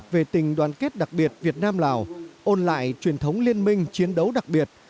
về tình đoàn kết đặc biệt việt nam lào ôn lại truyền thống liên minh chiến đấu đặc biệt